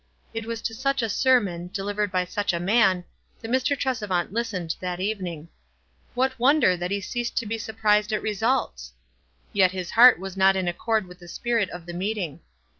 It was to such a sermon, delivered by such a man, that Mr. Tresevant listened that evening. What wonder that he ceased to be surprised at results ? Yet his heart was not in accord with the spirit of the meeting.